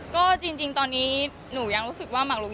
ก็จริงตอนนี้หนูยังรู้สึกว่าหมักลุก